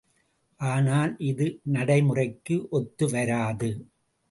ஆனால் இது நடைமுறைக்கு ஒத்து வராது.